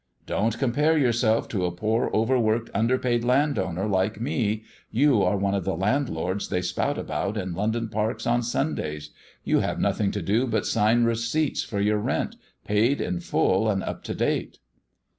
"Don't compare yourself to a poor overworked underpaid landowner like me. You are one of the landlords they spout about in London parks on Sundays. You have nothing to do but sign receipts for your rents, paid in full and up to date."